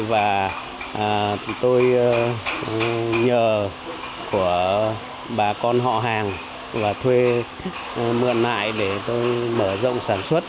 và tôi nhờ của bà con họ hàng và thuê mượn lại để tôi mở rộng sản xuất